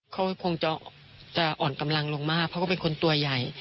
เขาคงจะอ่อนกำลังลงมากเพราะเขาเป็นคนตัวใหญ่